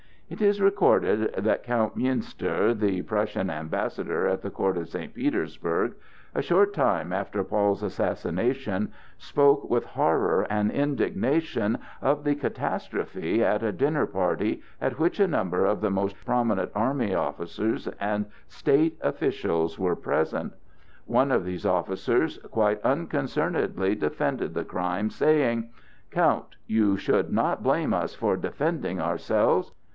It is recorded that Count Münster, the Prussian ambassador at the court of St. Petersburg, a short time after Paul's assassination, spoke with horror and indignation of the catastrophe at a dinner party at which a number of the most prominent army officers and state officials were present; one of these officers quite unconcernedly defended the crime, saying: "Count, you should not blame us for defending ourselves!